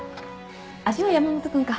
味は山本君か。